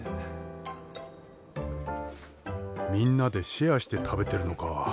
みんなでシェアして食べてるのか。